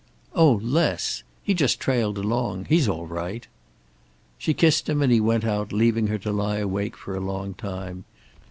"Oh, Les! He just trailed along. He's all right." She kissed him and he went out, leaving her to lie awake for a long time.